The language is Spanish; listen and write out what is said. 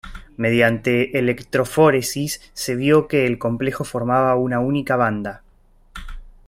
Mediante electroforesis se vio que el complejo formaba una única banda.